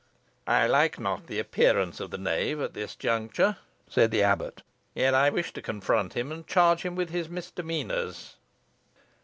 "I like not the appearance of the knave at this juncture," said the abbot; "yet I wish to confront him, and charge him with his midemeanours."